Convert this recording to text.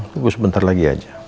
tunggu sebentar lagi aja